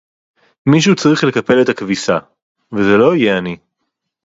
מישהו צריך לקפל את הכביסה, וזה לא יהיה אני.